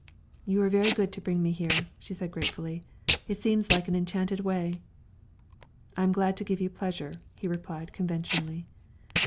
"You were good to bring me here," she said gratefully; "it seems like an enchanted way." "I am glad to give you pleasure," he replied conventionally.